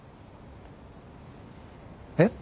えっ？